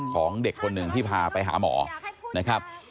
ของเด็กคนหนึ่งที่พาไปหาหมอนะครับ